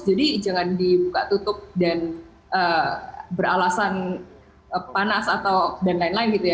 jadi jangan dibuka tutup dan beralasan panas atau dan lain lain gitu ya